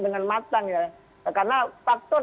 dengan matang ya karena faktor